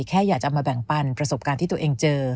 แค่อยากจะมาแบ่งปันประสบการณ์ที่ตัวเองเจอ